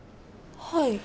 はい。